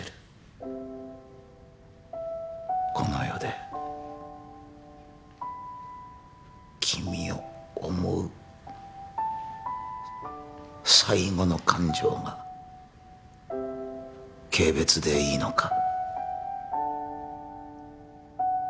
この世で君を思う最後の感情が軽蔑でいいのか？